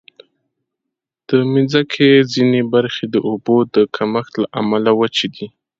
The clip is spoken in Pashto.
د مځکې ځینې برخې د اوبو د کمښت له امله وچې دي.